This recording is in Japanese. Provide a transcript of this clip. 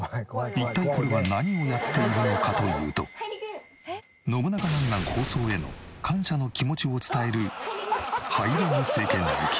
一体これは何をやっているのかというと『ノブナカなんなん？』放送への感謝の気持ちを伝えるハイレグ正拳突き。